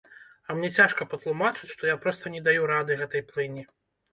А мне цяжка патлумачыць, што я проста не даю рады гэтай плыні.